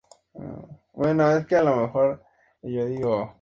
Director del Centro Municipal de Patrimonio Histórico de El Puerto de Santa María.